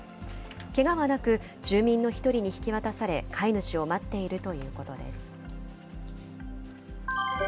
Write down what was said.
けがはなく、住民の１人に引き渡され、飼い主を待っているということです。